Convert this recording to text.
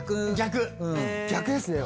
逆ですね。